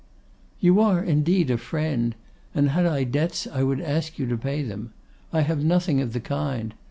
'You are, indeed, a friend; and had I debts I would ask you to pay them. I have nothing of the kind.